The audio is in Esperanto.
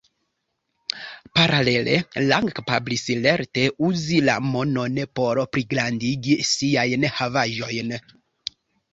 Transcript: Paralele Lang kapablis lerte uzi la monon por pligrandigi siajn havaĵojn.